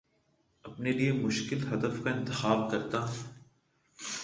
اپنے لیے مشکل ہدف کا انتخاب کرتا ہوں